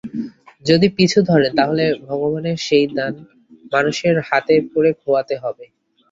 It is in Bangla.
যদি পিছু ধরেন তা হলে ভগবানের সেই দান মানুষের হাতে পড়ে খোওয়াতে হবে।